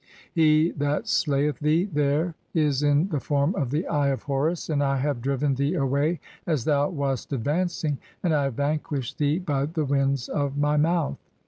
He that slayeth "[thee] there is in the form of the Eye of Horus, and I have "driven thee away as thou wast advancing, and I have vanquished "thee by the winds of my mouth.